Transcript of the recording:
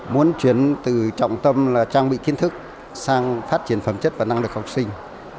muốn chuyển từ trọng tâm là trang bị kiến thức sang phát triển phẩm chất và năng lực học sinh